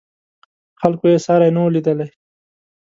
خلکو یې ساری نه و لیدلی.